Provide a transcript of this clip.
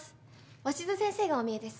鷲津先生がお見えです。